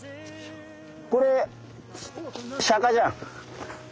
これシャカじゃん。